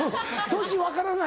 年分からない